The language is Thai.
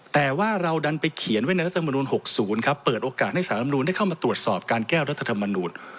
แต่ว่าเราดันไปเขียนไว้ในรัฐมนูล๖๐ครับเปิดโอกาสให้สารลำนูนได้เข้ามาตรวจสอบการแก้รัฐธรรมนูล